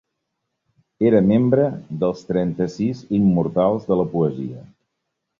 Era membre dels Trenta-sis immortals de la poesia.